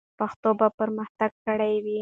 پښتو به پرمختګ کړی وي.